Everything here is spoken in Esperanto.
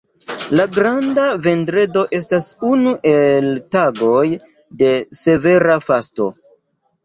La Granda vendredo estas unu el tagoj de severa fasto.